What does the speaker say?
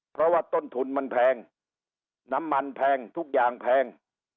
เพราะว่าต้นทุนมันแพงน้ำมันแพงทุกอย่างแพง